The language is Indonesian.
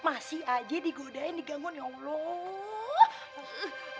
masih aja digodain diganggun ya allah